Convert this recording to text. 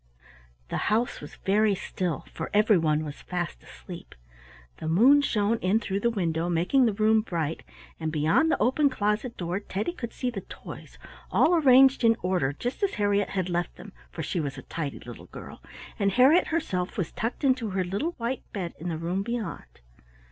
The house was very still, for everyone was fast asleep. The moon shone in through the window, making the room bright, and beyond the open closet door Teddy could see the toys all arranged in order just as Harriett had left them, (for she was a tidy little girl), and Harriett herself was tucked into her little white bed in the room beyond.